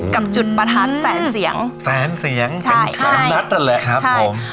กับจุดประทัดแสนเสียงแสนเสียงเป็นแสนนัดนั่นแหละครับผม